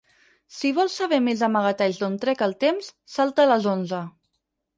Si vols saber més amagatalls d'on trec el temps, salta a les onze.